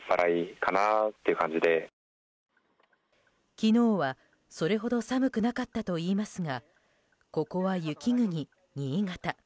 昨日は、それほど寒くなかったといいますがここは雪国・新潟。